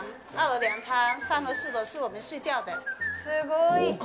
すごい。